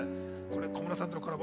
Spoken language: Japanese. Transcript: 小室さんとのコラボ